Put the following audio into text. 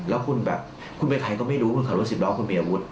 แล้วคุณแบบคุณใบไทยก็ไม่รู้คุณแขนวสิทธิ์ร้องคุณมีอาวุธ